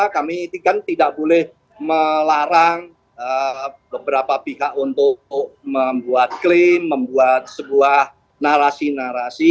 kami itu kan tidak boleh melarang beberapa pihak untuk membuat klaim membuat sebuah narasi narasi